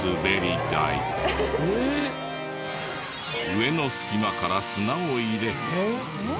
上の隙間から砂を入れ。